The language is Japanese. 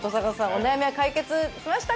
お悩みは解決しましたか？